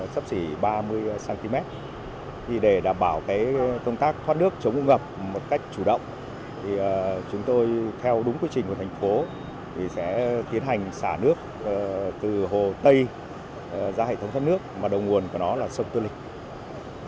sắp xỉ ba mươi cm để đảm bảo công tác thoát nước chống ngập một cách chủ động chúng tôi theo đúng quy trình của thành phố sẽ tiến hành xả nước từ hồ tây ra hệ thống thoát nước mà đầu nguồn của nó là sông tô lịch